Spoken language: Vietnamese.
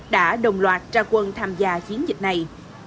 đã đồng loạt ra quân tham gia chiến dịch này